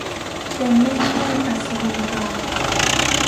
ยังไม่ใช่ อัศวินกล่าว